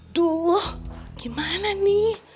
aduh gimana nih